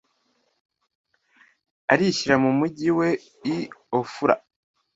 arishyira mu mugi we i ofura